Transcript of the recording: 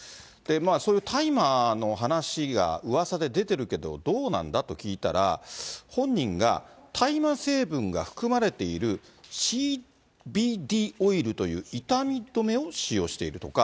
そういう大麻の話が、うわさで出てるけど、どうなんだ？と聞いたら、本人が、大麻成分が含まれているＣＢＤオイルという痛み止めを使用しているとか、